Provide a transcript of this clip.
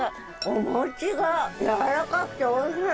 お餅がやわらかくておいしい。